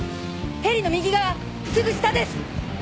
ヘリの右側すぐ下です！